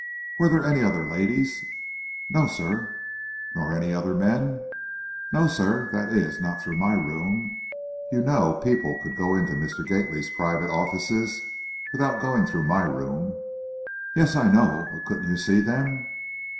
Were there any other ladies?" "No, sir." "Nor any other men?" "No, sir; that is, not through my room. You know, people could go in to Mr. Gately's private offices without going through my room." "Yes, I know. But couldn't you see them?"